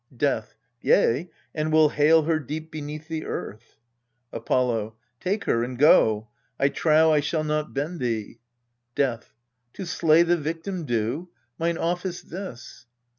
Death. Yea, and will hale her deep beneath the earth. Apollo. Take her and go : I trow I shall not bend thee Death. To slay the victim due? mine office this.